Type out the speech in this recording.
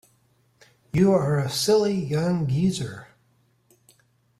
You are a silly young geezer.